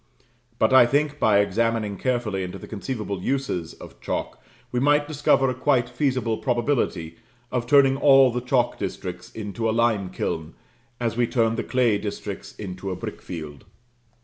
But, I think, by examining carefully into the conceivable uses of chalk, we might discover a quite feasible probability of turning all the chalk districts into a limekiln, as we turn the clay districts into a brickfield.